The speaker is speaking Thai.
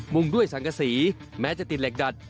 งด้วยสังกษีแม้จะติดเหล็กดัด